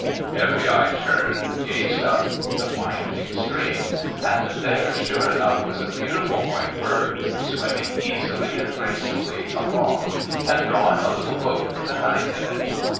Every eye turned and gazed up the winding stream, and there, sure enough, was a beautiful white bird swimming easily and gracefully along and drawing a little boat with a knight in it.